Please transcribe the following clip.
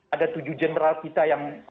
ada tujuh general kita yang